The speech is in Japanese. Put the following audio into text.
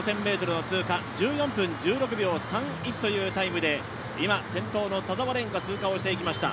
１４分１６秒３１というタイムで、今、先頭の田澤廉が通過していきました。